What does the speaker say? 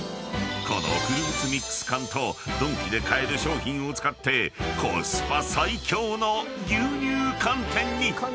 ［このフルーツミックス缶とドンキで買える商品を使ってコスパ最強の牛乳寒天に］